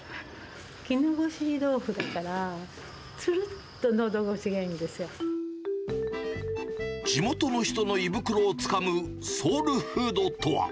絹ごし豆腐だから、地元の人の胃袋をつかむソウルフードとは。